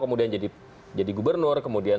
kemudian jadi gubernur kemudian